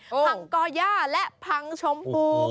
พังก่อย่าและพังชมพู